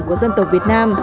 của dân tộc việt nam